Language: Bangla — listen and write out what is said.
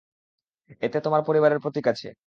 এতে তোমার পরিবারের প্রতীক আছে।